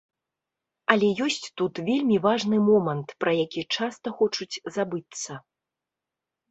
Але ёсць тут вельмі важны момант, пра які часта хочуць забыцца.